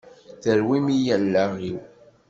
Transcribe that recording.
Terwim-iyi allaɣ-iw!